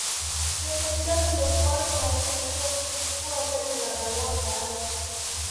miaka mitatu iliyofuata na alifanikiwa kutwaa taji la Ballon dâOr